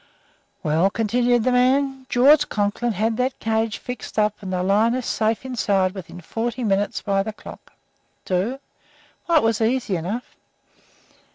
"Well," continued the man, "George Conklin had that cage fixed up and the lioness safe inside within forty minutes by the clock. Do? Why, it was easy enough.